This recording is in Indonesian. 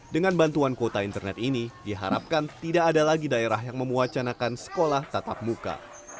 dengan bantuan kuota internet ini diharapkan tidak ada lagi daerah yang memuacanakan sekolah tatap muka